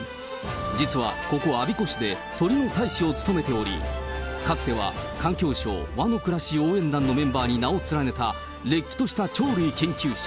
実はここ我孫子市で、鳥の大使を務めており、かつては、環境省環のくらし応援団のメンバーに名を連ねた、れっきとした鳥類研究者。